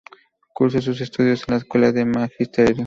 Cursó sus estudios en la Escuela de Magisterio.